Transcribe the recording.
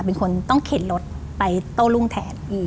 เป็นคนต้องเข็นรถไปโต้รุ่งแทน